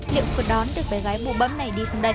liệu cô đón được bé gái bù bấm này đi không đây